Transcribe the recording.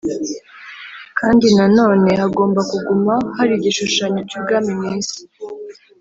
kandi nanone hagomba kuguma hari igishushanyo cy'ubwami mw'isi.